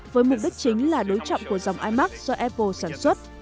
với mục đích chính là đối trọng của dòng imax do apple sản xuất